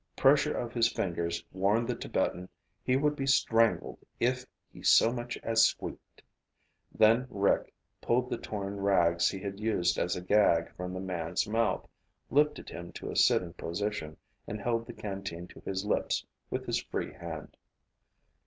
Pressure of his fingers warned the Tibetan he would be strangled if he so much as squeaked. Then Rick pulled the torn rags he had used as a gag from the man's mouth, lifted him to a sitting position, and held the canteen to his lips with his free hand.